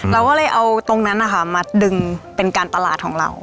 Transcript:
เราก็เลยเอาตรงนั้นนะคะมาดึงเป็นการตลาดของเรา